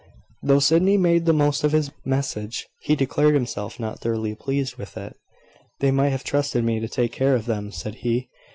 Though Sydney made the most of his message, he declared himself not thoroughly pleased with it. "They might have trusted me to take care of them," said he.